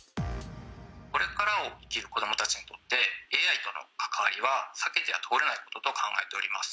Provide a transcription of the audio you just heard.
これからを生きる子どもたちにとって、ＡＩとの関わりは避けては通れないことと考えております。